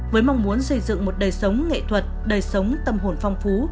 với mong muốn xây dựng một đời sống nghệ thuật đời sống tâm hồn phong phú